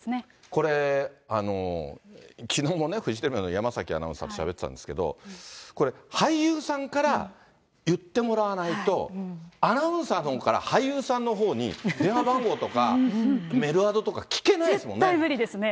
これ、きのうもね、フジテレビのやまさきアナウンサーとしゃべってたんですけど、これ、俳優さんから言ってもらわないと、アナウンサーのほうから俳優さんのほうに電話番号とかメルアドと絶対無理ですね。